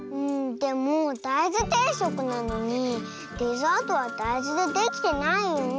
でもだいずていしょくなのにデザートはだいずでできてないよね。